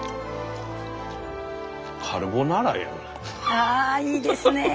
あいいですね！